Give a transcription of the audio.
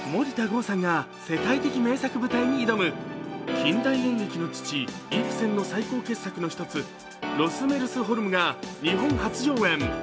近代演劇の父、イプセンの最高傑作の一つ、「ロスメルスホルム」が日本初上演。